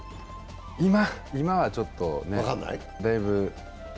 今はちょっとね、だいぶ。